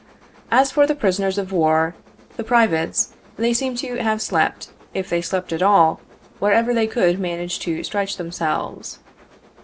As for the prisoners of war, the privates, they seem to have slept, if they slept at all, wherever they could manage to stretch themselves.